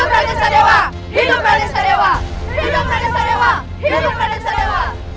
hidup pradensa dewa hidup pradensa dewa